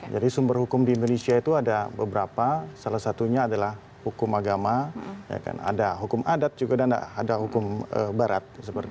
jadi sumber hukum di indonesia itu ada beberapa salah satunya adalah hukum agama ada hukum adat juga dan ada hukum barat